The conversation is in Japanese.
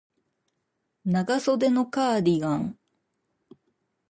長袖のカーディガン